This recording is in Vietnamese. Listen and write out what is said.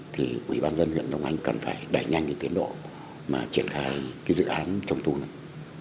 thì quỹ ban dân huyện đông anh cần phải đẩy nhanh cái tiến độ mà triển khai cái dự án trùng tu này